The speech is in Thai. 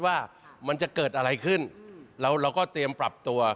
ว่ามันจะเกิดอะไรขึ้นแล้วเราก็เตรียมปรับตัว